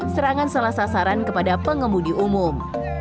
serangan salah sasaran kepada pengemudi umum